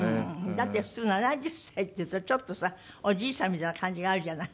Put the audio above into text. だって普通７０歳ってさちょっとさおじいさんみたいな感じがあるじゃない。